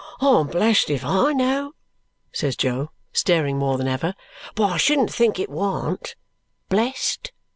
"I'm blest if I know," says Jo, staring more than ever; "but I shouldn't think it warn't. Blest?"